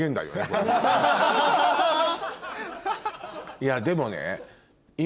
いやでもね今。